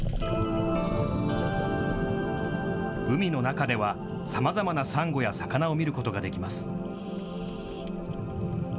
海の中ではさまざまなサンゴや魚を見ることができます。